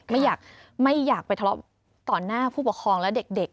ไม่อยากไปทะเลาะต่อหน้าผู้ปกครองและเด็ก